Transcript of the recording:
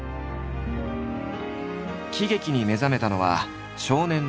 喜劇に目覚めたのは少年のとき。